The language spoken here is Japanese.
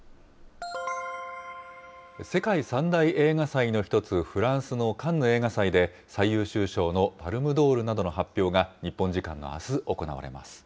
世界３大映画祭の１つ、フランスのカンヌ映画祭で最優秀賞のパルムドールなどの発表が日本時間のあす、行われます。